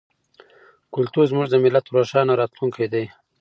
کلتور زموږ د ملت روښانه راتلونکی دی.